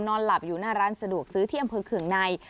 หลับอยู่หน้าร้านสะดวกซื้อที่อำเภอเคืองใน